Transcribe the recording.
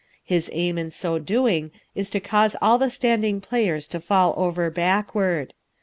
His aim in so doing is to cause all the standing players to fall over backward.